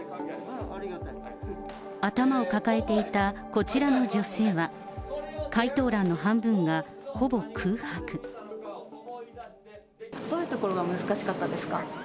頭を抱えていたこちらの女性は、どういうところが難しかったですか？